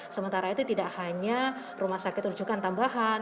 sementara itu tidak hanya rumah sakit rujukan tambahan